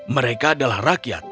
mereka adalah rakyat